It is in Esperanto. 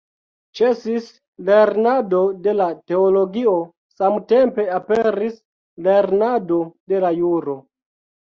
Ĉesis lernado de la teologio, samtempe aperis lernado de la juro.